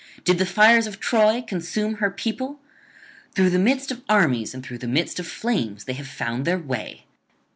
Did the fires of Troy consume her people? Through the midst of armies and through the midst of flames they have found their way.